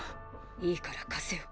いいから貸せよ。